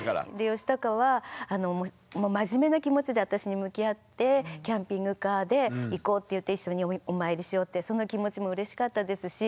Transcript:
ヨシタカはもう真面目な気持ちで私に向き合ってキャンピングカーで行こうって言って一緒にお参りしようってその気持ちもうれしかったですし